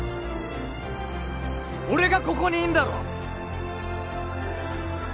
俺がここにいんだろ！